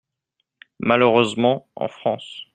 Malheureusement, en France.